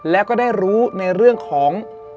แล้วก็ได้รู้ในเรื่องของ